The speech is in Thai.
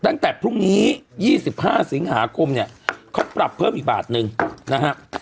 ตั้งแต่พรุ่งนี้๒๕สิงหาคมเนี่ยเขาปรับเพิ่มอีกบาทนึงนะฮะ